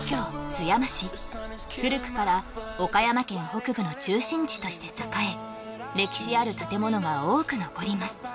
津山市古くから岡山県北部の中心地として栄え歴史ある建物が多く残ります